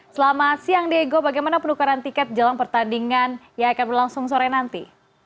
selamat siang diego bagaimana penukaran tiket jelang pertandingan yang akan berlangsung sore nanti